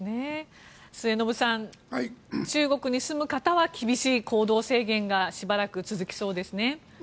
末延さん、中国に住む方は厳しい行動制限がしばらく続きそうですね。